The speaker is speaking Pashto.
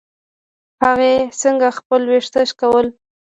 هغې څنګه خپل ويښته شکول.